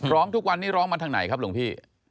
ร้องทุกวันนี้ร้องมาทางไหนครับหลวงพี่